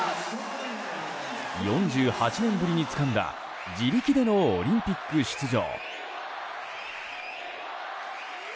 ４８年ぶりにつかんだ自力でのオリンピック出場。